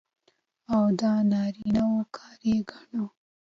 او د نارينه وو کار يې ګڼو.